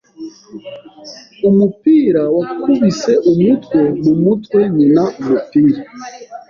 Umupira wakubise umutwe mumutwe nkina umupira.